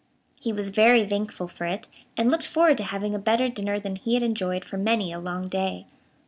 He was very thankful for it, and looked forward to having a better dinner than he had enjoyed for many a long day.